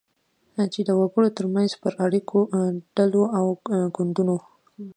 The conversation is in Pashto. چی د وګړو ترمنځ پر اړیکو، ډلو او ګوندونو